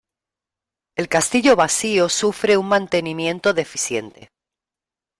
El castillo vacío sufre un mantenimiento deficiente.